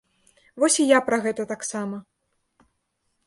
Вось і я пра гэта таксама!